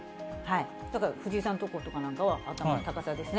だから藤井さんの所とかは頭の高さですね。